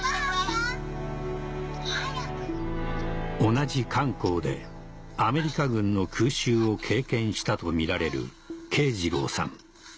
同じ漢口でアメリカ軍の空襲を経験したとみられる慶次郎さん